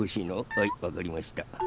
はいわかりました。